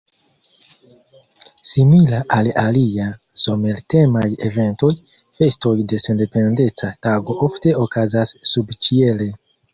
Simila al alia somer-temaj eventoj, festoj de Sendependeca Tago ofte okazas subĉiele.